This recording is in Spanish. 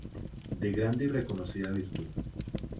De grande y reconocida virtud.